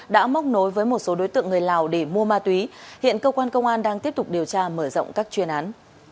đã móc nối với một số đối tượng người lào để mua ma túy hiện cơ quan công an đang tiếp tục điều tra mở rộng các chuyên án